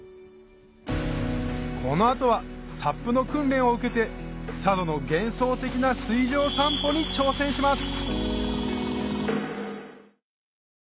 この後はサップの訓練を受けて佐渡の幻想的な水上散歩に挑戦します